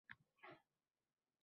Allanechuk dilshodlik.